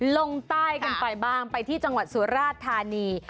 ลงใต้กันไปบ้างไปที่จังหวัดสุราชธานี